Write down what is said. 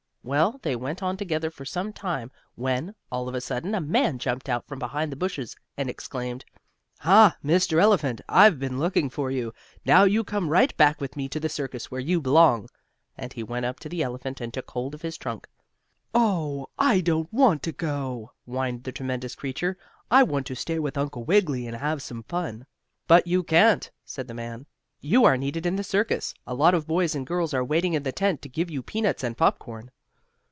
Well, they went on together for some time, when, all of a sudden a man jumped out from behind the bushes, and exclaimed: "Ha, Mr. Elephant! I've been looking for you. Now you come right back with me to the circus where you belong." And he went up to the elephant and took hold of his trunk. "Oh, I don't want to go," whined the tremendous creature. "I want to stay with Uncle Wiggily, and have some fun." "But you can't," said the man. "You are needed in the circus. A lot of boys and girls are waiting in the tent, to give you peanuts and popcorn."